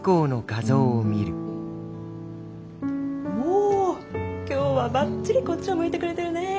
お今日はバッチリこっちを向いてくれてるね。